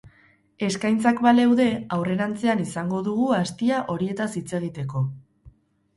Eskaintzak baleude, aurrerantzean izango dugu astia horietaz hitz egiteko.